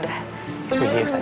udah ustadzah udah